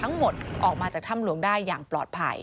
ออกมาจากถ้ำหลวงได้อย่างปลอดภัย